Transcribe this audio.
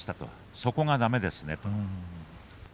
そこがだめですねと。